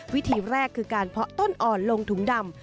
วิธีแรกคือการเพาะต้นอ่อนลงถุงดำ